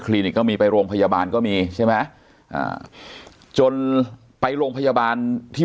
นิกก็มีไปโรงพยาบาลก็มีใช่ไหมอ่าจนไปโรงพยาบาลที่